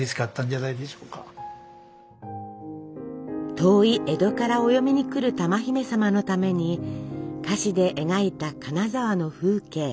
遠い江戸からお嫁に来る珠姫様のために菓子で描いた金沢の風景。